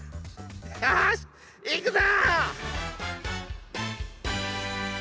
よしいくぞ！